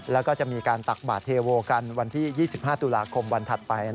แล้วก็จะมีการตักบาทเทโวกันวันที่๒๕ตุลาคมวันถัดไป